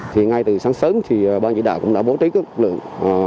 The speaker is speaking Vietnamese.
thì ngay từ sáng sớm thì ba dĩ đạo cũng đã bố trí các lực lượng